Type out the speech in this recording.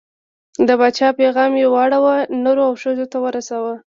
د پاچا پیغام یې واړو، نرو او ښځو ته ورساوه.